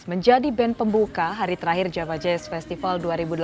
menjadi band pembuka hari terakhir java jazz festival dua ribu delapan belas